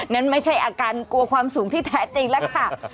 นั้นไม่ใช่อาการกลัวความสูงที่แท้จริงแล้วค่ะ